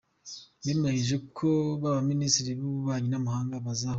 Bemeranyije ko baminisitiri b’ububanyi n’amahanga bazahura.